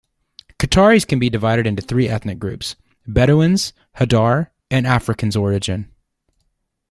Qataris can be divided into three ethnic groups: Bedouins, Hadar, and Africans-origin.